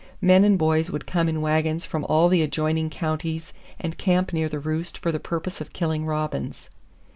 Men and boys would come in wagons from all the adjoining counties and camp near the roost for the purpose of killing robins.